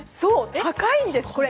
高いんです、これ。